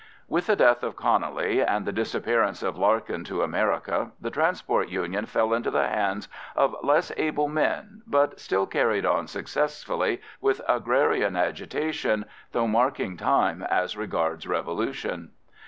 With the death of Connelly and the disappearance of Larkin to America, the Transport Union fell into the hands of less able men, but still carried on successfully with agrarian agitation, though marking time as regards revolution.